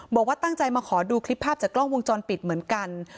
บอกว่าตั้งใจมาขอดูคลิปภาพจากกล้องวงจรปิดเหมือนกัน